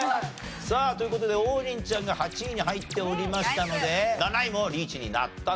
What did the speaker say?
さあという事で王林ちゃんが８位に入っておりましたので７位もリーチになったと。